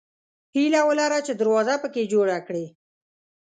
هیله ولره چې دروازه پکې جوړه کړې.